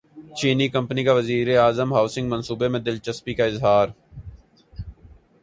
چینی کمپنی کا وزیر اعظم ہاسنگ منصوبے میں دلچسپی کا اظہار